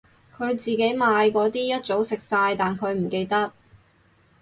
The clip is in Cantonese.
佢自己買嗰啲一早食晒但佢唔記得